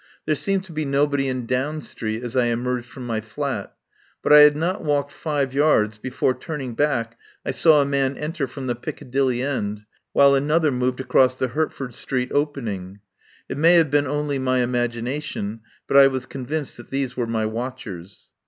There seemed to be nobody in Down Street as I emerged from my flat, but I had not walked five yards before, turning back, I saw a man enter from the Piccadilly end, while another moved across the Hertford Street opening. It may have been only my imagination, but I was con vinced that these were my watchers.